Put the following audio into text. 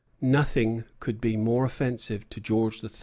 Nothing could be more offensive to George III.